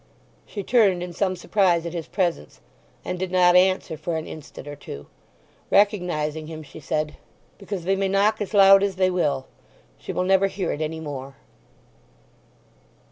She turned in some surprise at his presence, and did not answer for an instant or two. Recognizing him, she said, "Because they may knock as loud as they will; she will never hear it any more."